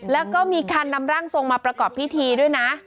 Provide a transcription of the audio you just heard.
แล้วก็มีการนำร่างทรงมาประกอบพิธีด้วยนะ